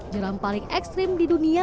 jeram paling ekstrim di dunia